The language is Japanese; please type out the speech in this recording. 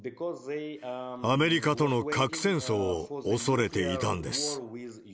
アメリカとの核戦争を恐れていたんです。